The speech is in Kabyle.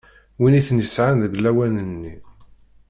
Win iten-isɛan deg lawan-nni.